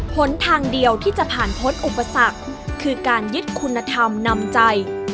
หนทางเดียวที่จะผ่านพ้นอุปสรรคคือการยึดคุณธรรมนำใจ